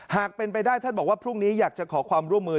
หากเป็นไปได้ท่านบอกว่าพรุ่งนี้อยากจะขอความร่วมมือ